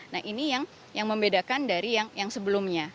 nah ini yang membedakan dari yang sebelumnya